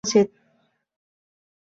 তাই সকলের সচেতন হওয়া উচিত।